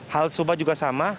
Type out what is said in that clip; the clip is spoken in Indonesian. hal serupa juga sama